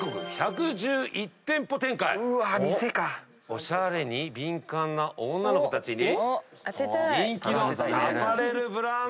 おしゃれに敏感な女の子たちに人気のアパレルブランド。